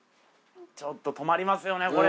ちょっと止まりますよね